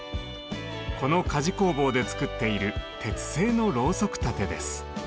この鍛冶工房で作っている鉄製のロウソク立てです。